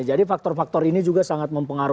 jadi faktor faktor ini juga sangat penting